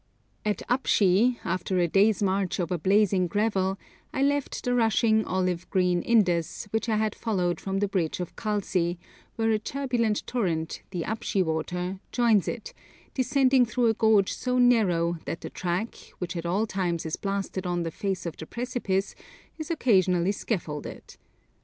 At Upschi, after a day's march over blazing gravel, I left the rushing olive green Indus, which I had followed from the bridge of Khalsi, where a turbulent torrent, the Upshi water, joins it, descending through a gorge so narrow that the track, which at all times is blasted on the face of the precipice, is occasionally scaffolded.